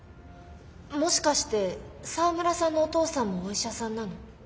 もしかして沢村さんのお父さんもお医者さんなの？